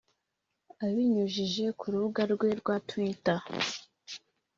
Abinyujije ku rubuga rwe rwa Twitter